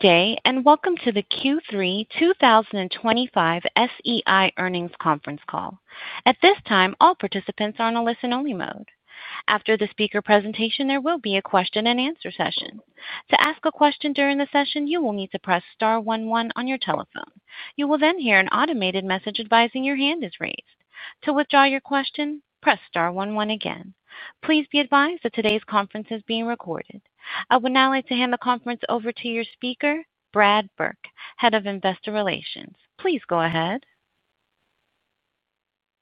Today, and welcome to the Q3 2025 SEI earnings conference call. At this time, all participants are in a listen-only mode. After the speaker presentation, there will be a question and answer session. To ask a question during the session, you will need to press star one one on your telephone. You will then hear an automated message advising your hand is raised. To withdraw your question, press star one one again. Please be advised that today's conference is being recorded. I would now like to hand the conference over to your speaker, Brad Burke, Head of Investor Relations. Please go ahead.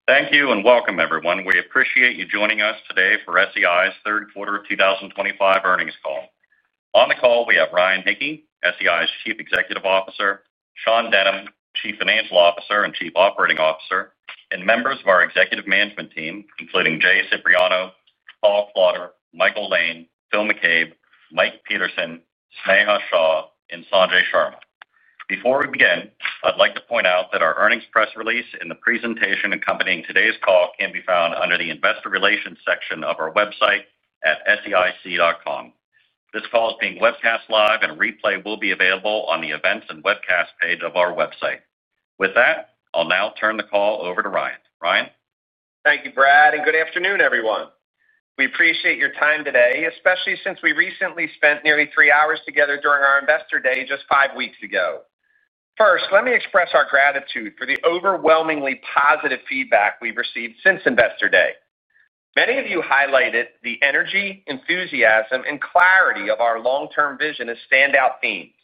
Thank you and welcome, everyone. We appreciate you joining us today for SEI's third quarter of 2025 earnings call. On the call, we have Ryan Hicke, SEI's Chief Executive Officer, Sean Denham, Chief Financial Officer and Chief Operating Officer, and members of our executive management team, including Jay Cipriano, Paul Klauder, Michael Lane, Phil McCabe, Mike Peterson, Sneha Shah, and Sanjay Sharma. Before we begin, I'd like to point out that our earnings press release and the presentation accompanying today's call can be found under the investor relations section of our website at seic.com. This call is being webcast live, and a replay will be available on the events and webcasts page of our website. With that, I'll now turn the call over to Ryan. Ryan. Thank you, Brad, and good afternoon, everyone. We appreciate your time today, especially since we recently spent nearly three hours together during our Investor Day just five weeks ago. First, let me express our gratitude for the overwhelmingly positive feedback we've received since Investor Day. Many of you highlighted the energy, enthusiasm, and clarity of our long-term vision as standout themes.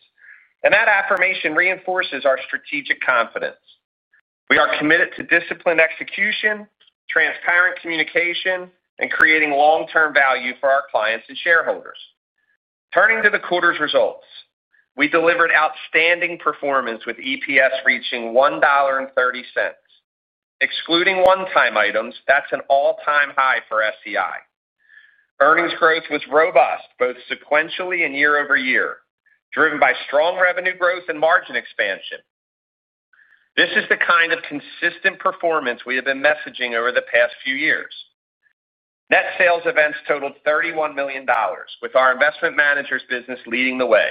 That affirmation reinforces our strategic confidence. We are committed to disciplined execution, transparent communication, and creating long-term value for our clients and shareholders. Turning to the quarter's results, we delivered outstanding performance with EPS reaching $1.30. Excluding one-time items, that's an all-time high for SEI. Earnings growth was robust, both sequentially and year-over-year, driven by strong revenue growth and margin expansion. This is the kind of consistent performance we have been messaging over the past few years. Net sales events totaled $31 million, with our investment managers' business leading the way.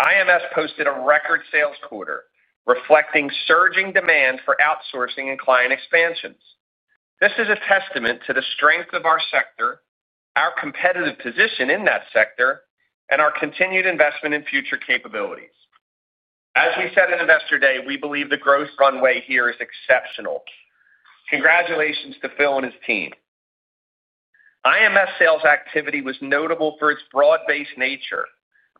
IMS posted a record sales quarter, reflecting surging demand for outsourcing and client expansions. This is a testament to the strength of our sector, our competitive position in that sector, and our continued investment in future capabilities. As we said in Investor Day, we believe the growth runway here is exceptional. Congratulations to Phil and his team. IMS sales activity was notable for its broad-based nature,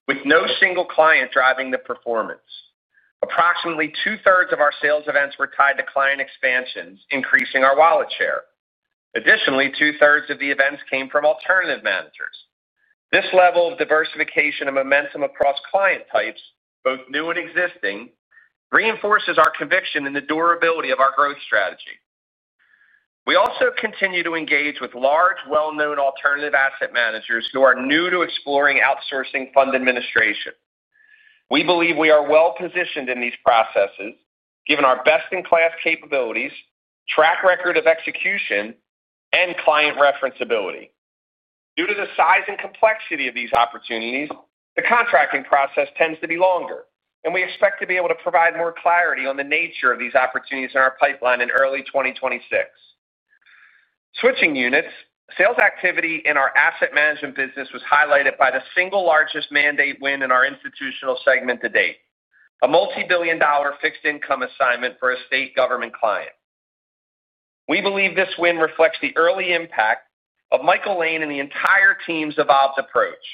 with no single client driving the performance. Approximately 2/3 of our sales events were tied to client expansions, increasing our wallet share. Additionally, 2/3 of the events came from alternative managers. This level of diversification and momentum across client types, both new and existing, reinforces our conviction in the durability of our growth strategy. We also continue to engage with large, well-known alternative asset managers who are new to exploring outsourcing fund administration. We believe we are well positioned in these processes, given our best-in-class capabilities, track record of execution, and client referenceability. Due to the size and complexity of these opportunities, the contracting process tends to be longer, and we expect to be able to provide more clarity on the nature of these opportunities in our pipeline in early 2026. Switching units, sales activity in our asset management business was highlighted by the single largest mandate win in our institutional segment to date: a multibillion-dollar fixed income assignment for a state government client. We believe this win reflects the early impact of Michael Lane and the entire team's evolved approach,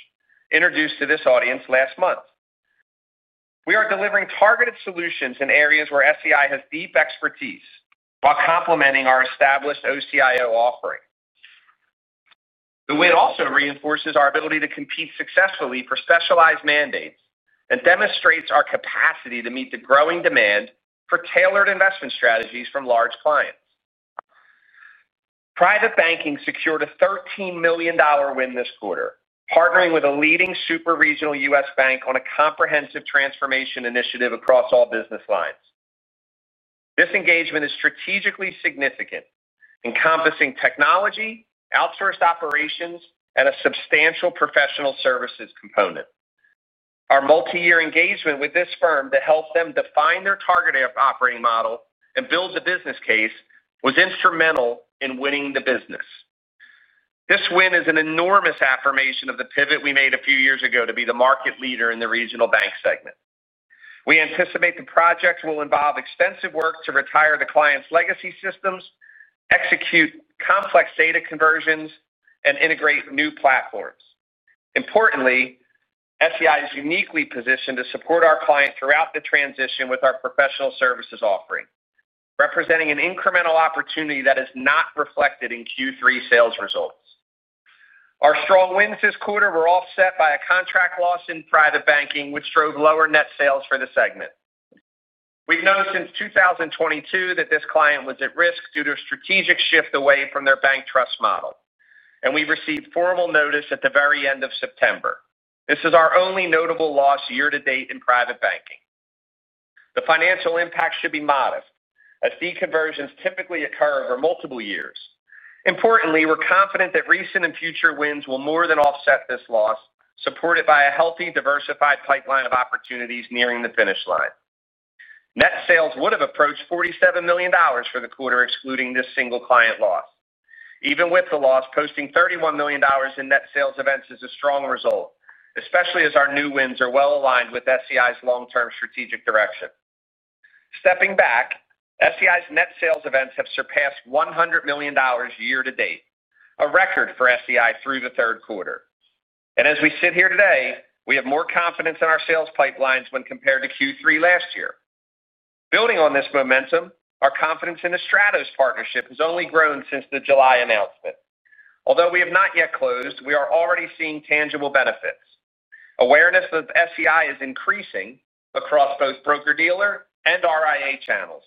introduced to this audience last month. We are delivering targeted solutions in areas where SEI has deep expertise, while complementing our established OCIO offering. The win also reinforces our ability to compete successfully for specialized mandates and demonstrates our capacity to meet the growing demand for tailored investment strategies from large clients. Private banking secured a $13 million win this quarter, partnering with a leading super-regional U.S. bank on a comprehensive transformation initiative across all business lines. This engagement is strategically significant, encompassing technology, outsourced operations, and a substantial professional services component. Our multi-year engagement with this firm to help them define their target operating model and build a business case was instrumental in winning the business. This win is an enormous affirmation of the pivot we made a few years ago to be the market leader in the regional bank segment. We anticipate the project will involve extensive work to retire the client's legacy systems, execute complex data conversions, and integrate new platforms. Importantly, SEI is uniquely positioned to support our client throughout the transition with our professional services offering, representing an incremental opportunity that is not reflected in Q3 sales results. Our strong wins this quarter were offset by a contract loss in private banking, which drove lower net sales for the segment. We've noticed since 2022 that this client was at risk due to a strategic shift away from their bank trust model, and we've received formal notice at the very end of September. This is our only notable loss year to date in private banking. The financial impact should be modest, as deconversions typically occur over multiple years. Importantly, we're confident that recent and future wins will more than offset this loss, supported by a healthy, diversified pipeline of opportunities nearing the finish line. Net sales would have approached $47 million for the quarter, excluding this single client loss. Even with the loss, posting $31 million in net sales events is a strong result, especially as our new wins are well aligned with SEI's long-term strategic direction. Stepping back, SEI's net sales events have surpassed $100 million year to date, a record for SEI through the third quarter. As we sit here today, we have more confidence in our sales pipelines when compared to Q3 last year. Building on this momentum, our confidence in the Stratos partnership has only grown since the July announcement. Although we have not yet closed, we are already seeing tangible benefits. Awareness of SEI is increasing across both broker-dealer and RIA Channels,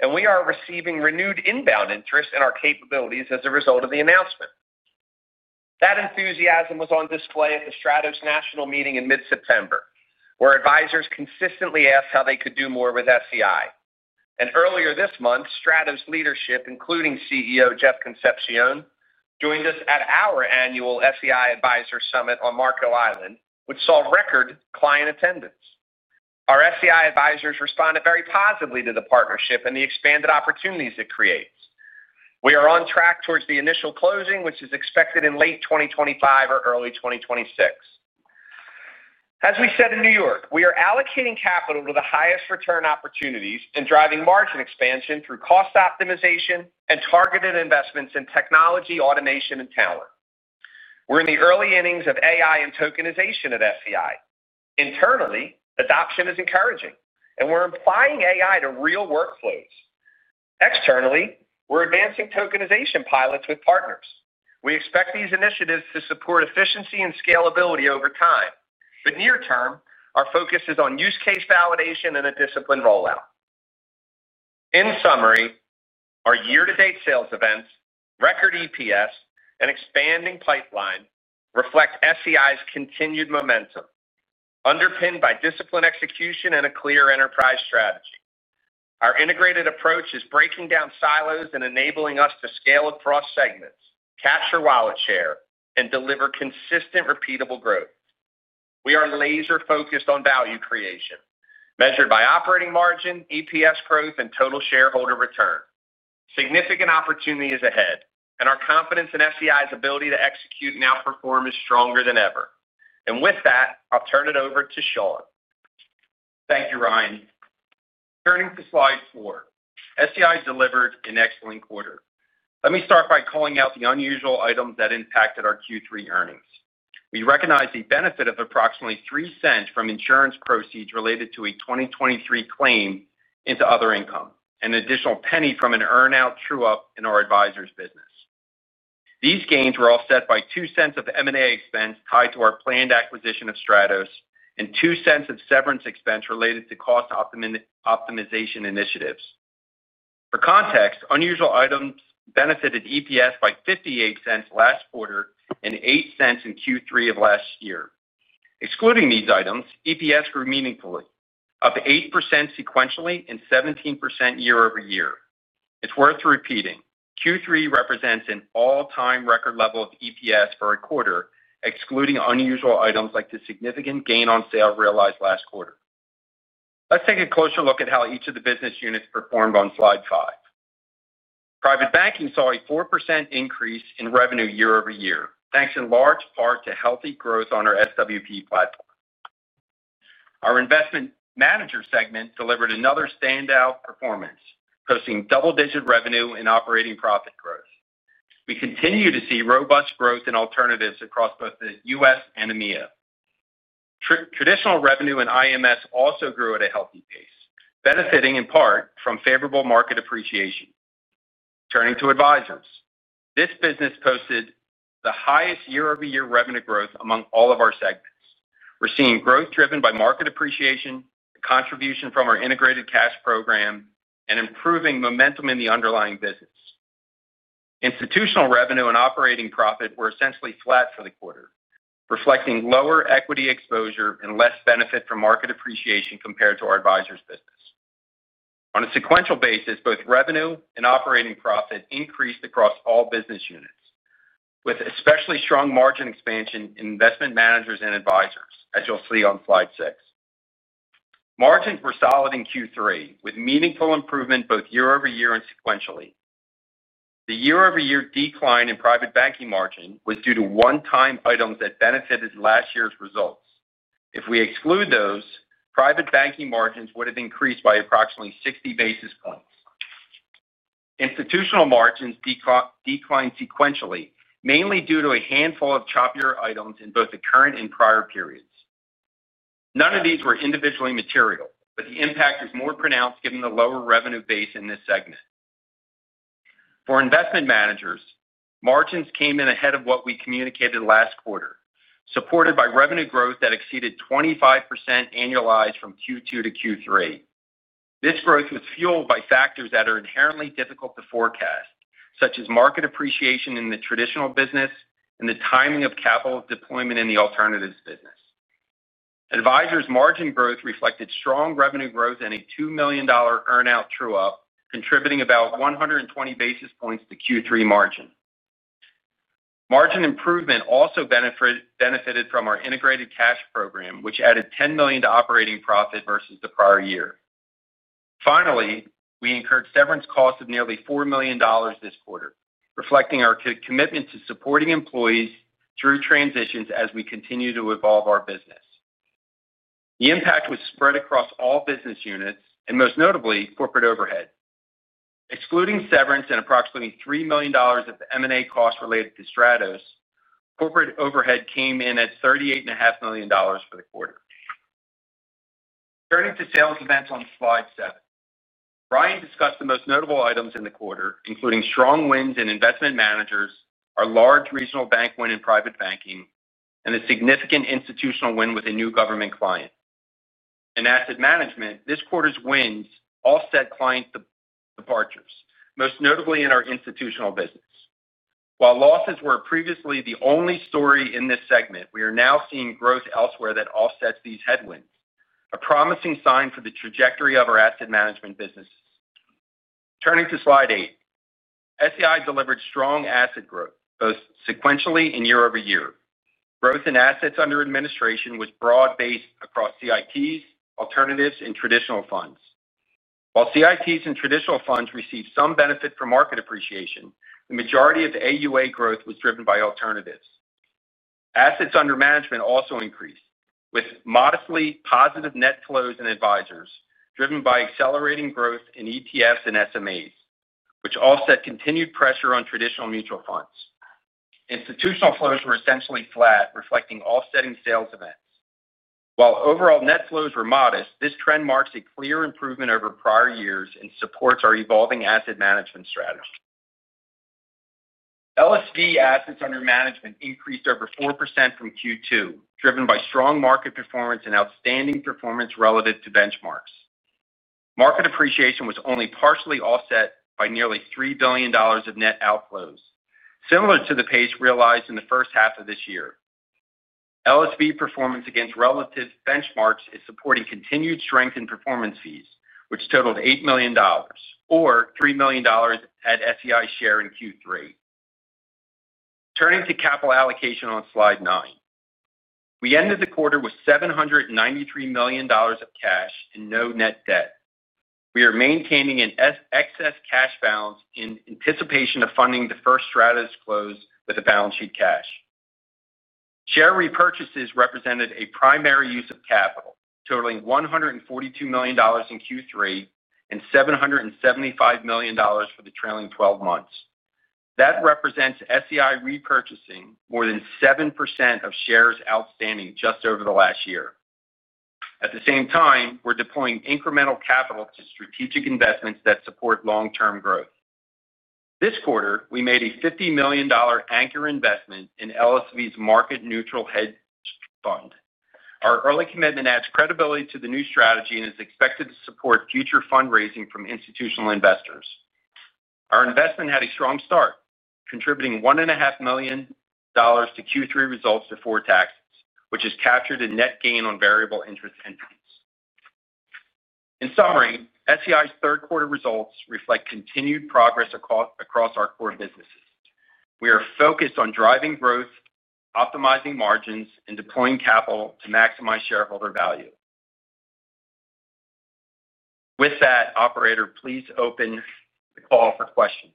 and we are receiving renewed inbound interest in our capabilities as a result of the announcement. That enthusiasm was on display at the Stratos national meeting in mid-September, where advisors consistently asked how they could do more with SEI. Earlier this month, Stratos leadership, including CEO Jeff Concepcion, joined us at our annual SEI Advisor Summit on Marco Island, which saw record client attendance. Our SEI advisors responded very positively to the partnership and the expanded opportunities it creates. We are on track towards the initial closing, which is expected in late 2025 or early 2026. As we said in New York, we are allocating capital to the highest return opportunities and driving margin expansion through cost optimization and targeted investments in technology, automation, and talent. We're in the early innings of AI and tokenization at SEI. Internally, adoption is encouraging, and we're applying AI to real workflows. Externally, we're advancing tokenization pilots with partners. We expect these initiatives to support efficiency and scalability over time. Near term, our focus is on use case validation and a disciplined rollout. In summary, our year-to-date sales events, record EPS, and expanding pipeline reflect SEI's continued momentum, underpinned by disciplined execution and a clear enterprise strategy. Our integrated approach is breaking down silos and enabling us to scale across segments, capture wallet share, and deliver consistent, repeatable growth. We are laser-focused on value creation, measured by operating margin, EPS growth, and total shareholder return. Significant opportunity is ahead, and our confidence in SEI's ability to execute and outperform is stronger than ever. With that, I'll turn it over to Sean. Thank you, Ryan. Turning to slide four, SEI delivered an excellent quarter. Let me start by calling out the unusual items that impacted our Q3 earnings. We recognize the benefit of approximately $0.03 from insurance proceeds related to a 2023 claim into other income, and an additional $0.01 from an earnout true up in our advisor business. These gains were offset by $0.02 of M&A expense tied to our planned acquisition of Stratos, and $0.02 of severance expense related to cost optimization initiatives. For context, unusual items benefited EPS by $0.58 last quarter and $0.08 in Q3 of last year. Excluding these items, EPS grew meaningfully, up 8% sequentially and 17% year-over-year. It's worth repeating, Q3 represents an all-time record level of EPS for a quarter, excluding unusual items like the significant gain on sale realized last quarter. Let's take a closer look at how each of the business units performed on slide five. Private banking saw a 4% increase in revenue year-over-year, thanks in large part to healthy growth on our SWP platform. Our investment manager segment delivered another standout performance, posting double-digit revenue and operating profit growth. We continue to see robust growth in alternatives across both the U.S. and EMEA. Traditional revenue and IMS also grew at a healthy pace, benefiting in part from favorable market appreciation. Turning to advisors, this business posted the highest year-over-year revenue growth among all of our segments. We're seeing growth driven by market appreciation, the contribution from our integrated cash program, and improving momentum in the underlying business. Institutional revenue and operating profit were essentially flat for the quarter, reflecting lower equity exposure and less benefit from market appreciation compared to our advisor business. On a sequential basis, both revenue and operating profit increased across all business units, with especially strong margin expansion in investment managers and advisors, as you'll see on slide six. Margins were solid in Q3, with meaningful improvement both year-over-year and sequentially. The year-over-year decline in private banking margin was due to one-time items that benefited last year's results. If we exclude those, private banking margins would have increased by approximately 60 basis points. Institutional margins declined sequentially, mainly due to a handful of choppier items in both the current and prior periods. None of these were individually material, but the impact is more pronounced given the lower revenue base in this segment. For investment managers, margins came in ahead of what we communicated last quarter, supported by revenue growth that exceeded 25% annualized from Q2 to Q3. This growth was fueled by factors that are inherently difficult to forecast, such as market appreciation in the traditional business and the timing of capital deployment in the alternatives business. Advisors' margin growth reflected strong revenue growth and a $2 million earnout true up, contributing about 120 basis points to Q3 margin. Margin improvement also benefited from our integrated cash program, which added $10 million to operating profit versus the prior year. Finally, we incurred severance costs of nearly $4 million this quarter, reflecting our commitment to supporting employees through transitions as we continue to evolve our business. The impact was spread across all business units, and most notably, corporate overhead. Excluding severance and approximately $3 million of M&A costs related to Stratos, corporate overhead came in at $38.5 million for the quarter. Turning to sales events on slide seven, Ryan discussed the most notable items in the quarter, including strong wins in investment managers, our large regional bank win in private banking, and a significant institutional win with a new government client. In asset management, this quarter's wins offset client departures, most notably in our institutional business. While losses were previously the only story in this segment, we are now seeing growth elsewhere that offsets these headwinds, a promising sign for the trajectory of our asset management businesses. Turning to slide eight, SEI delivered strong asset growth, both sequentially and year-over-year. Growth in assets under administration was broad-based across CITs, alternatives, and traditional funds. While CITs and traditional funds received some benefit from market appreciation, the majority of AUA growth was driven by alternatives. Assets under management also increased, with modestly positive net flows in advisors, driven by accelerating growth in ETFs and SMAs, which offset continued pressure on traditional mutual funds. Institutional flows were essentially flat, reflecting offsetting sales events. While overall net flows were modest, this trend marks a clear improvement over prior years and supports our evolving asset management strategy. LSV assets under management increased over 4% from Q2, driven by strong market performance and outstanding performance relative to benchmarks. Market appreciation was only partially offset by nearly $3 billion of net outflows, similar to the pace realized in the first half of this year. LSV performance against relative benchmarks is supporting continued strength in performance fees, which totaled $8 million, or $3 million at SEI's share in Q3. Turning to capital allocation on slide nine, we ended the quarter with $793 million of cash and no net debt. We are maintaining an excess cash balance in anticipation of funding the first Stratos close with the balance sheet cash. Share repurchases represented a primary use of capital, totaling $142 million in Q3 and $775 million for the trailing 12 months. That represents SEI repurchasing more than 7% of shares outstanding just over the last year. At the same time, we're deploying incremental capital to strategic investments that support long-term growth. This quarter, we made a $50 million anchor investment in LSV’s market-neutral hedge fund. Our early commitment adds credibility to the new strategy and is expected to support future fundraising from institutional investors. Our investment had a strong start, contributing $1.5 million to Q3 results before taxes, which is captured in net gain on variable interest entities. In summary, SEI's third quarter results reflect continued progress across our core businesses. We are focused on driving growth, optimizing margins, and deploying capital to maximize shareholder value. With that, operator, please open the call for questions.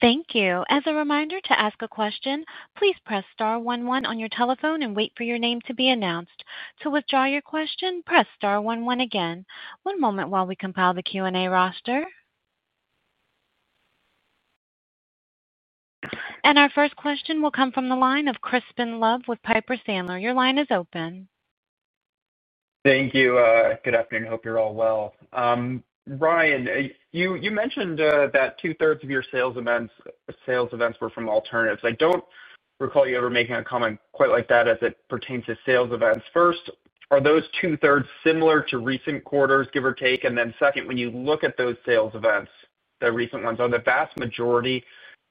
Thank you. As a reminder, to ask a question, please press star one one on your telephone and wait for your name to be announced. To withdraw your question, press star one one again. One moment while we compile the Q&A roster. Our first question will come from the line of Crispin Love with Piper Sandler. Your line is open. Thank you. Good afternoon. Hope you're all well. Ryan, you mentioned that 2/3 of your sales events were from alternatives. I don't recall you ever making a comment quite like that as it pertains to sales events. First, are those 2/3 similar to recent quarters, give or take? When you look at those sales events, the recent ones, are the vast majority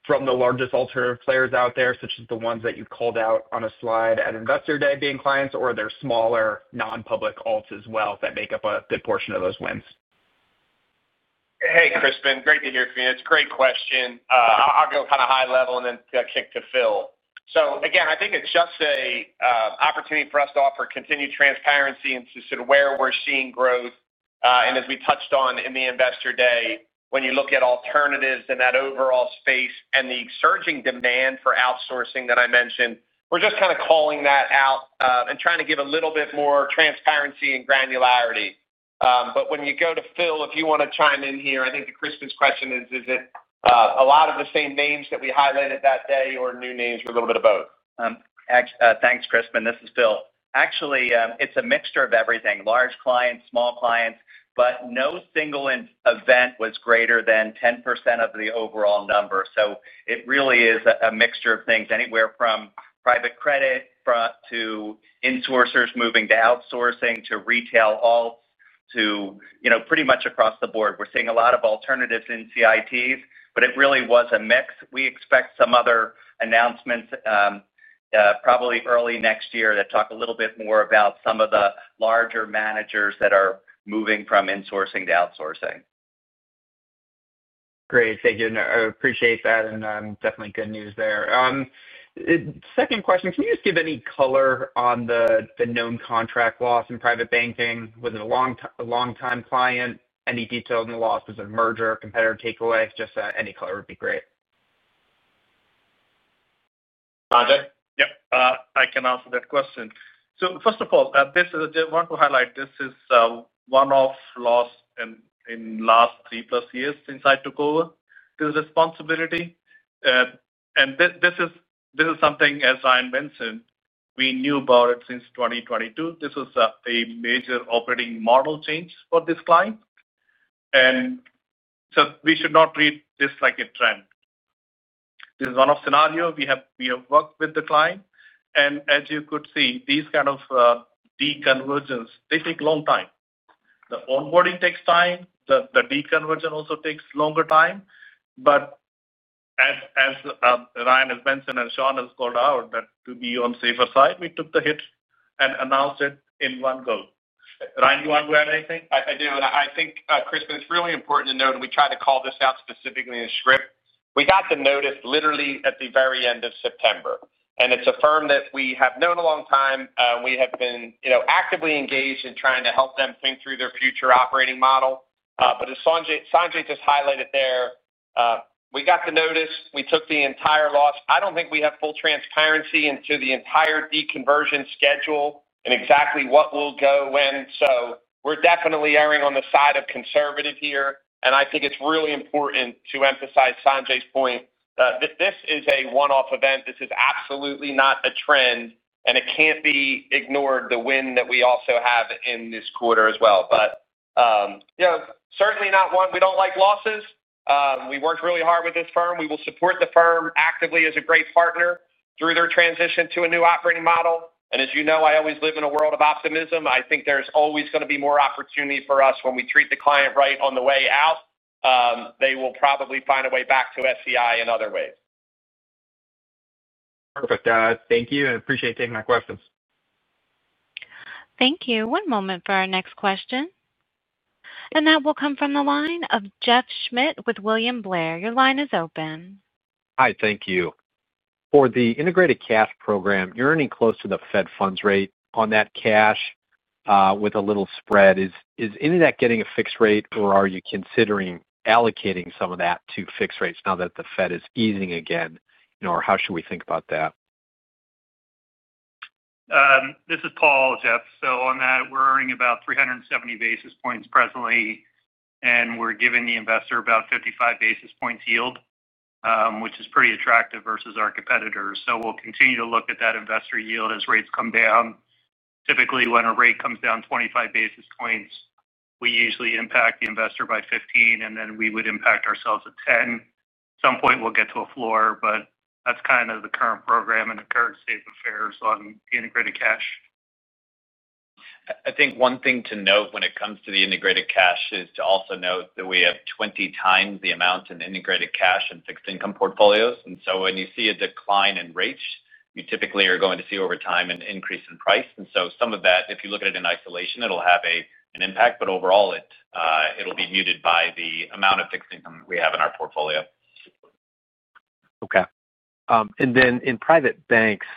from the largest alternative players out there, such as the ones that you called out on a slide at Investor Day, being clients? Are there smaller non-public alts as well that make up a good portion of those wins? Hey, Crispin. Great to hear from you. It's a great question. I'll go kind of high level and then kick to Phil. I think it's just an opportunity for us to offer continued transparency into sort of where we're seeing growth. As we touched on in the Investor Day, when you look at alternatives in that overall space and the surging demand for outsourcing that I mentioned, we're just kind of calling that out and trying to give a little bit more transparency and granularity. Phil, if you want to chime in here, I think the Crispin question is, is it a lot of the same names that we highlighted that day or new names or a little bit of both? Thanks, Crispin. This is Phil. Actually, it's a mixture of everything: large clients, small clients, but no single event was greater than 10% of the overall number. It really is a mixture of things, anywhere from private credit to insourcers moving to outsourcing to retail alts to pretty much across the board. We're seeing a lot of alternatives in CITs, but it really was a mix. We expect some other announcements probably early next year that talk a little bit more about some of the larger managers that are moving from insourcing to outsourcing. Great. Thank you. I appreciate that, and definitely good news there. Second question, can you just give any color on the known contract loss in private banking? Was it a long-time client? Any detail on the loss? Was it a merger or a competitor takeaway? Just any color would be great. I can answer that question. First of all, I want to highlight this is a one-off loss in the last three-plus years since I took over this responsibility. This is something, as Ryan mentioned, we knew about since 2022. This was a major operating model change for this client. We should not treat this like a trend. This is a one-off scenario. We have worked with the client, and as you could see, these kinds of deconversions take a long time. The onboarding takes time. The deconversion also takes longer time. As Ryan has mentioned and Sean has called out, to be on the safer side, we took the hit and announced it in one go. Ryan, do you want to add anything? I do. I think, Cris, it's really important to note, and we try to call this out specifically in [script]. We got the notice literally at the very end of September. It's a firm that we have known a long time. We have been actively engaged in trying to help them think through their future operating model. As Sanjay just highlighted, we got the notice. We took the entire loss. I don't think we have full transparency into the entire deconversion schedule and exactly what will go when. We're definitely erring on the side of conservative here. I think it's really important to emphasize Sanjay's point that this is a one-off event. This is absolutely not a trend. It can't be ignored, the win that we also have in this quarter as well. Certainly not one. We don't like losses. We worked really hard with this firm. We will support the firm actively as a great partner through their transition to a new operating model. As you know, I always live in a world of optimism. I think there's always going to be more opportunity for us when we treat the client right on the way out. They will probably find a way back to SEI in other ways. Perfect. Thank you. I appreciate taking my questions. Thank you. One moment for our next question. That will come from the line of Jeff Schmitt with William Blair. Your line is open. Hi. Thank you. For the integrated cash program, you're earning close to the Fed funds rate on that cash with a little spread. Is any of that getting a fixed rate, or are you considering allocating some of that to fixed rates now that the Fed is easing again? How should we think about that? This is Paul, Jeff. On that, we're earning about 370 basis points presently, and we're giving the investor about 55 basis points yield, which is pretty attractive versus our competitors. We'll continue to look at that investor yield as rates come down. Typically, when a rate comes down 25 basis points, we usually impact the investor by 15 basis points, and then we would impact ourselves at 10 basis points. At some point, we'll get to a floor, but that's kind of the current program and the current state of affairs on the integrated cash. I think one thing to note when it comes to the integrated cash is to also note that we have 20x the amount in integrated cash and fixed income portfolios. When you see a decline in rates, you typically are going to see over time an increase in price. Some of that, if you look at it in isolation, it'll have an impact. Overall, it'll be muted by the amount of fixed income we have in our portfolio. Okay. In private banks,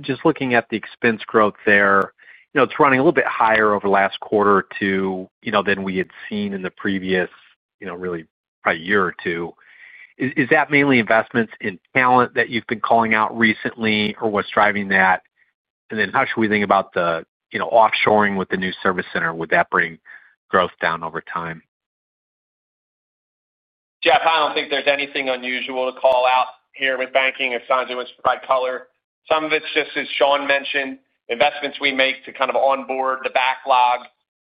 just looking at the expense growth there, it's running a little bit higher over the last quarter than we had seen in the previous, probably year or two. Is that mainly investments in talent that you've been calling out recently, or what's driving that? How should we think about the offshoring with the new service center? Would that bring growth down over time? Jeff, I don't think there's anything unusual to call out here with banking if Sanjay wants to provide color. Some of it's just, as Sean mentioned, investments we make to kind of onboard the backlog,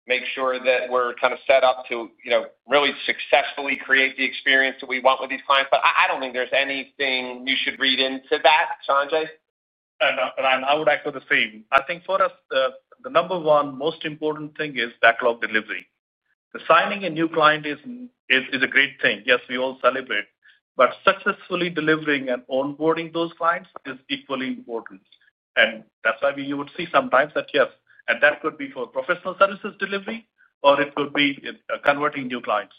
make sure that we're kind of set up to really successfully create the experience that we want with these clients. I don't think there's anything you should read into that, Sanjay. I would echo the same. I think for us, the number one most important thing is backlog delivery. Signing a new client is a great thing. Yes, we all celebrate, but successfully delivering and onboarding those clients is equally important. That's why you would see sometimes that, yes, and that could be for professional services delivery, or it could be converting new clients.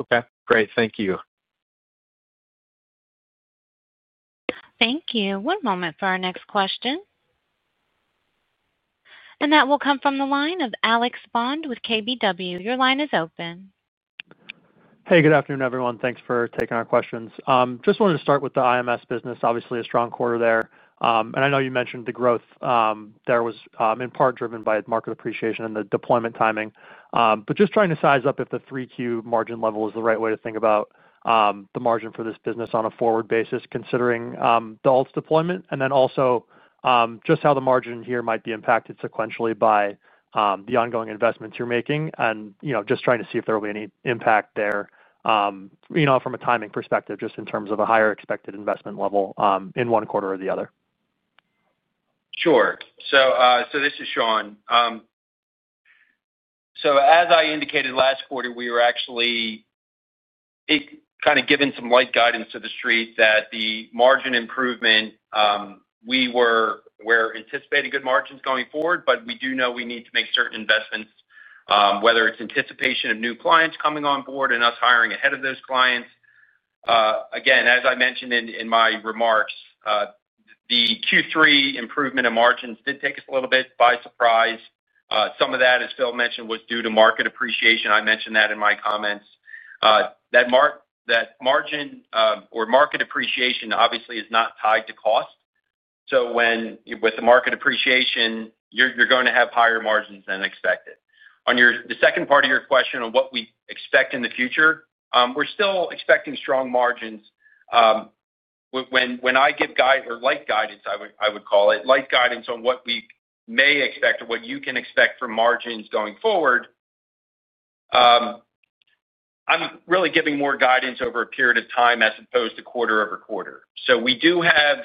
Okay. Great. Thank you. Thank you. One moment for our next question. That will come from the line of Alex Bond with KBW. Your line is open. Hey. Good afternoon, everyone. Thanks for taking our questions. Just wanted to start with the IMS business. Obviously, a strong quarter there. I know you mentioned the growth there was in part driven by market appreciation and the deployment timing. Just trying to size up if the Q3 margin level is the right way to think about the margin for this business on a forward basis, considering the alts deployment, and also just how the margin here might be impacted sequentially by the ongoing investments you're making. Just trying to see if there will be any impact there from a timing perspective, in terms of a higher expected investment level in one quarter or the other. Sure. This is Sean. As I indicated last quarter, we were actually kind of giving some light guidance to the street that the margin improvement, we were anticipating good margins going forward, but we do know we need to make certain investments, whether it's anticipation of new clients coming on board and us hiring ahead of those clients. As I mentioned in my remarks, the Q3 improvement in margins did take us a little bit by surprise. Some of that, as Phil mentioned, was due to market appreciation. I mentioned that in my comments. That margin or market appreciation obviously is not tied to cost. With the market appreciation, you're going to have higher margins than expected. On the second part of your question on what we expect in the future, we're still expecting strong margins. When I give guidance or light guidance, I would call it light guidance on what we may expect or what you can expect from margins going forward, I'm really giving more guidance over a period of time as opposed to quarter-over-quarter. We do have,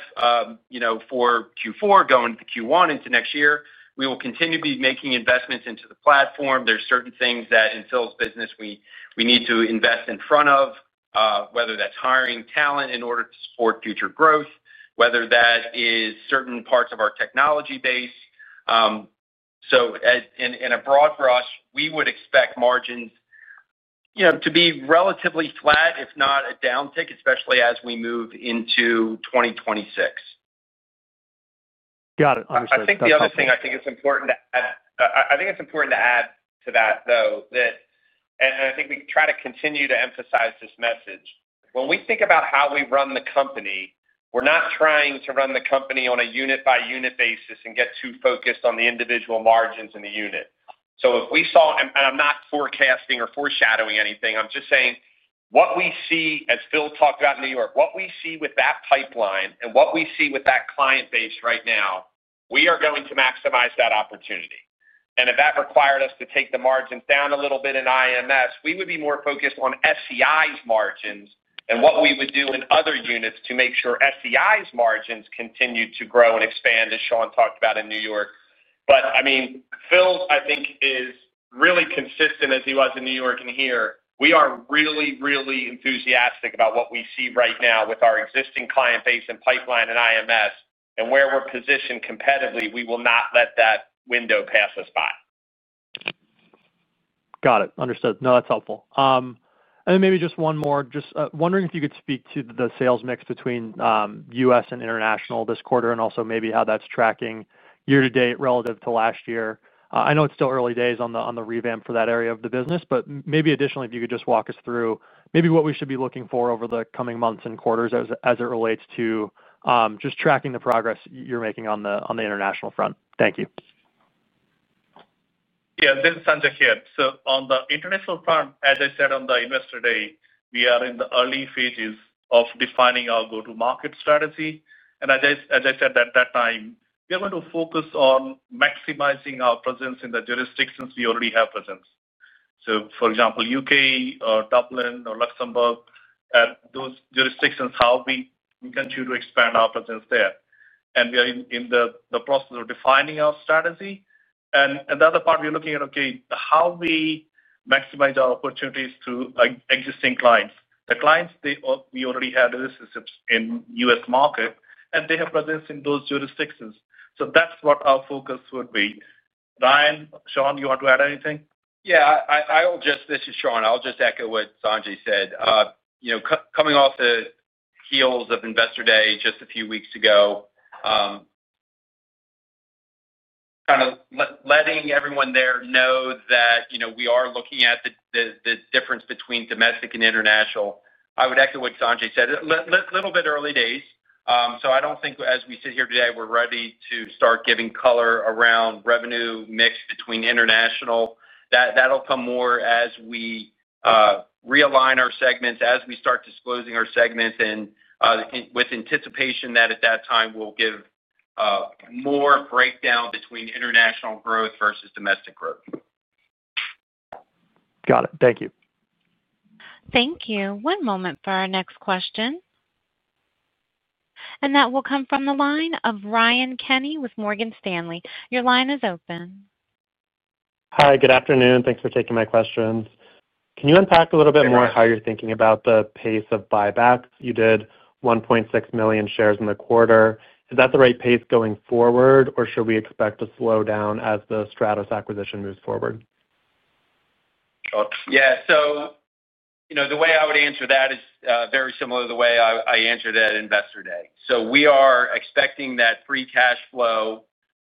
for Q4 going into Q1 into next year, we will continue to be making investments into the platform. There are certain things that in Phil's business we need to invest in front of, whether that's hiring talent in order to support future growth, whether that is certain parts of our technology base. In a broad brush, we would expect margins to be relatively flat, if not a downtick, especially as we move into 2026. Got it. Understood. I think the other thing I think is important to add, it's important to add to that, though, that, and I think we try to continue to emphasize this message. When we think about how we run the company, we're not trying to run the company on a unit-by-unit basis and get too focused on the individual margins in the unit. If we saw, and I'm not forecasting or foreshadowing anything, I'm just saying what we see, as Phil talked about in New York, what we see with that pipeline and what we see with that client base right now, we are going to maximize that opportunity. If that required us to take the margins down a little bit in IMS, we would be more focused on SEI's margins and what we would do in other units to make sure SEI's margins continue to grow and expand, as Sean talked about in New York. Phil's, I think, is really consistent as he was in New York and here. We are really, really enthusiastic about what we see right now with our existing client base and pipeline in IMS and where we're positioned competitively. We will not let that window pass us by. Got it. Understood. No, that's helpful. Maybe just one more. Just wondering if you could speak to the sales mix between U.S. and international this quarter and also maybe how that's tracking year to date relative to last year. I know it's still early days on the revamp for that area of the business, but maybe additionally, if you could just walk us through what we should be looking for over the coming months and quarters as it relates to tracking the progress you're making on the international front. Thank you. Yeah. This is Sanjay here. On the international front, as I said on the Investor Day, we are in the early phases of defining our go-to-market strategy. As I said at that time, we are going to focus on maximizing our presence in the jurisdictions we already have presence. For example, U.K., Dublin, or Luxembourg, and those jurisdictions, how we can continue to expand our presence there. We are in the process of defining our strategy. The other part we're looking at is how we maximize our opportunities through existing clients. The clients we already have relationships in the U.S. market, and they have presence in those jurisdictions. That's what our focus would be. Ryan, Sean, you want to add anything? Yeah. I'll just echo what Sanjay said. Coming off the heels of Investor Day just a few weeks ago, letting everyone there know that we are looking at the difference between domestic and international. I would echo what Sanjay said. A little bit early days. I don't think as we sit here today, we're ready to start giving color around revenue mix between international. That'll come more as we realign our segments, as we start disclosing our segments, and with anticipation that at that time we'll give more breakdown between international growth versus domestic growth. Got it. Thank you. Thank you. One moment for our next question. That will come from the line of Ryan Kenny with Morgan Stanley. Your line is open. Hi. Good afternoon. Thanks for taking my questions. Can you unpack a little bit more how you're thinking about the pace of buybacks? You did 1.6 million shares in the quarter. Is that the right pace going forward, or should we expect a slowdown as the Stratos acquisition moves forward? Yeah. The way I would answer that is very similar to the way I answered at Investor Day. We are expecting that free cash flow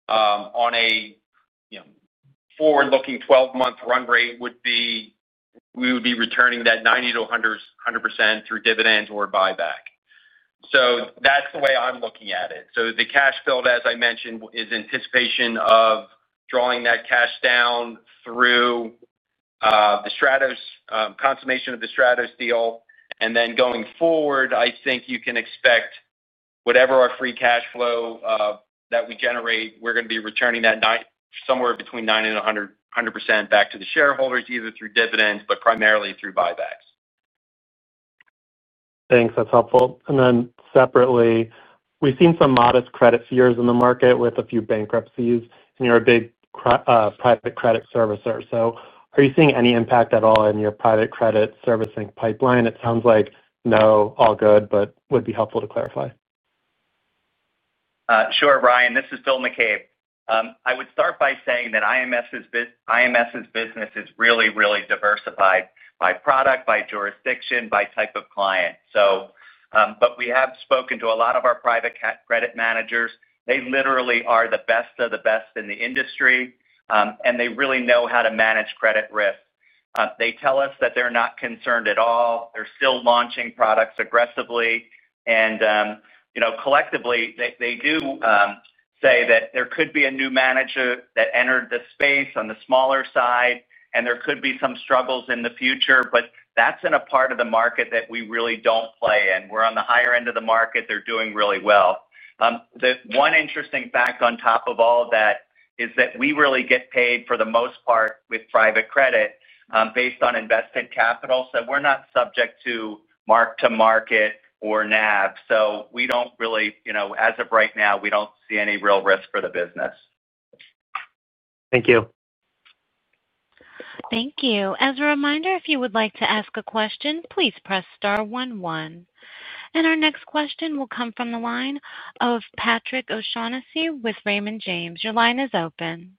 on a forward-looking 12-month run rate would be, we would be returning that 90%-100% through dividends or buyback. That's the way I'm looking at it. The cash build, as I mentioned, is anticipation of drawing that cash down through the consummation of the Stratos deal. Going forward, I think you can expect whatever our free cash flow that we generate, we're going to be returning that somewhere between 90% and 100% back to the shareholders, either through dividends but primarily through buybacks. Thanks. That's helpful. We've seen some modest credit fears in the market with a few bankruptcies, and you're a big private credit servicer. Are you seeing any impact at all in your private credit servicing pipeline? It sounds like no, all good, but would be helpful to clarify. Ryan, this is Phil McCabe. I would start by saying that IMS's business is really, really diversified by product, by jurisdiction, by type of client. We have spoken to a lot of our private credit managers. They literally are the best of the best in the industry, and they really know how to manage credit risk. They tell us that they're not concerned at all. They're still launching products aggressively. Collectively, they do say that there could be a new manager that entered the space on the smaller side, and there could be some struggles in the future. That's in a part of the market that we really don't play in. We're on the higher end of the market. They're doing really well. The one interesting fact on top of all of that is that we really get paid, for the most part, with private credit based on invested capital. We're not subject to mark-to-market or NAV. We don't really, as of right now, see any real risk for the business. Thank you. Thank you. As a reminder, if you would like to ask a question, please press star one one. Our next question will come from the line of Patrick O'Shaughnessy with Raymond James. Your line is open.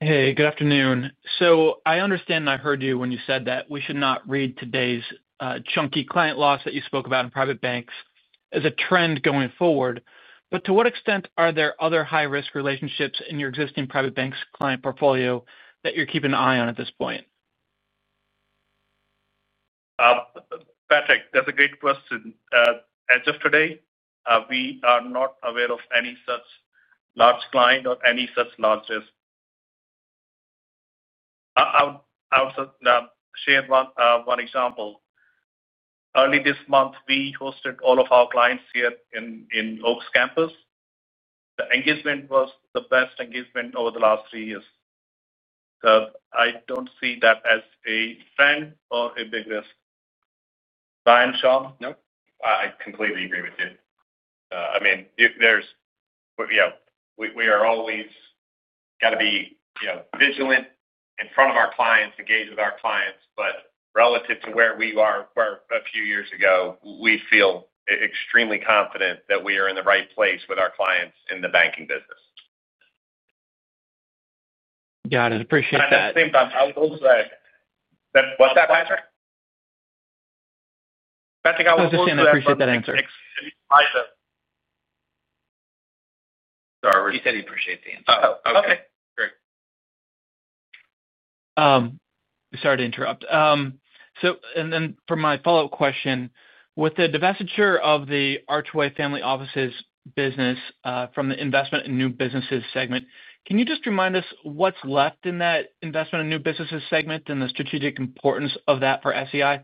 Good afternoon. I understand and I heard you when you said that we should not read today's chunky client loss that you spoke about in private banking as a trend going forward. To what extent are there other high-risk relationships in your existing private banking client portfolio that you're keeping an eye on at this point? Patrick, that's a great question. As of today, we are not aware of any such large client or any such large. I'll share one example. Early this month, we hosted all of our clients here in Oaks campus. The engagement was the best engagement over the last three years. I don't see that as a trend or a big risk. Ryan, Sean? Nope. I completely agree with you. I mean, we always have to be vigilant in front of our clients, engage with our clients. Relative to where we were a few years ago, we feel extremely confident that we are in the right place with our clients in the banking business. Got it. Appreciate that. At the same time, I will say that. What's that, Patrick? Patrick, I will say. I appreciate that answer. Sorry. He said he appreciates the answer. Oh, okay. Great. Sorry to interrupt. For my follow-up question, with the divestiture of the Archway Family Offices business from the investment in new businesses segment, can you just remind us what's left in that investment in new businesses segment and the strategic importance of that for SEI?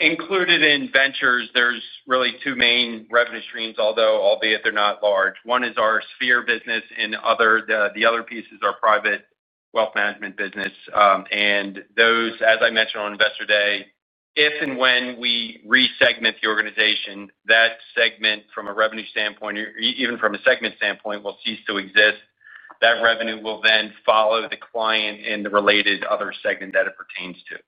Included in ventures, there's really two main revenue streams, although albeit they're not large. One is our sphere business, and the other piece is our private wealth management business. As I mentioned on Investor Day, if and when we resegment the organization, that segment from a revenue standpoint, even from a segment standpoint, will cease to exist. That revenue will then follow the client in the related other segment that it pertains to.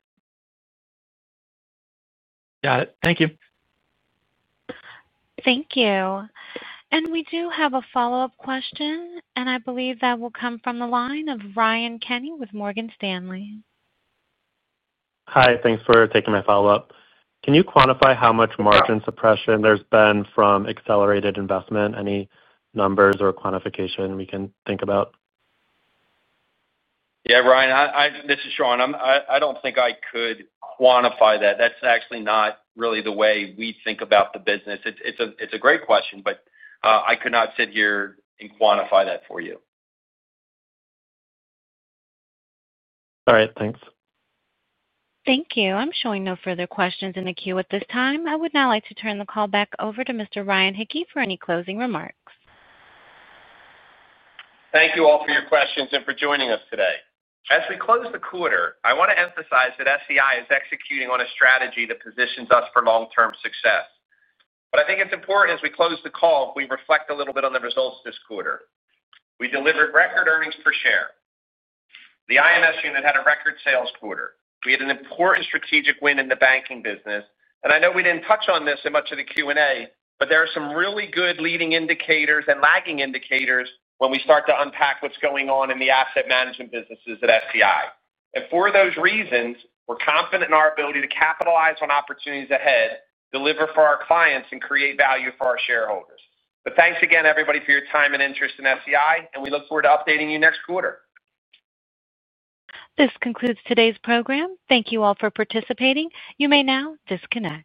Got it. Thank you. Thank you. We do have a follow-up question, and I believe that will come from the line of Ryan Kenny with Morgan Stanley. Hi. Thanks for taking my follow-up. Can you quantify how much margin suppression there's been from accelerated investment? Any numbers or quantification we can think about? Yeah, Ryan, this is Sean. I don't think I could quantify that. That's actually not really the way we think about the business. It's a great question, but I could not sit here and quantify that for you. All right. Thanks. Thank you. I'm showing no further questions in the queue at this time. I would now like to turn the call back over to Mr. Ryan Hicke for any closing remarks. Thank you all for your questions and for joining us today. As we close the quarter, I want to emphasize that SEI is executing on a strategy that positions us for long-term success. I think it's important as we close the call if we reflect a little bit on the results this quarter. We delivered record earnings per share. The IMS unit had a record sales quarter. We had an important strategic win in the banking business. I know we didn't touch on this in much of the Q&A, but there are some really good leading indicators and lagging indicators when we start to unpack what's going on in the asset management businesses at SEI. For those reasons, we're confident in our ability to capitalize on opportunities ahead, deliver for our clients, and create value for our shareholders. Thanks again, everybody, for your time and interest in SEI, and we look forward to updating you next quarter. This concludes today's program. Thank you all for participating. You may now disconnect.